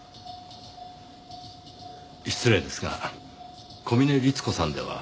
失礼ですが小峰律子さんでは。